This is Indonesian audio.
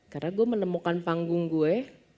karena gue menemukan panggung gue